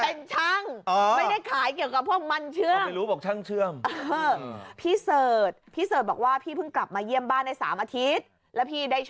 โอ้โหเลขโอ้โหพี่เสิร์จ